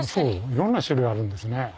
いろんな種類あるんですね。